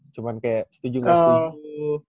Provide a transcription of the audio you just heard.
cuman kayak setuju gak setuju